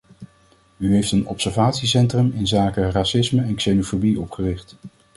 U heeft een observatiecentrum inzake racisme en xenofobie opgericht.